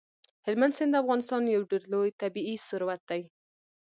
هلمند سیند د افغانستان یو ډېر لوی طبعي ثروت دی.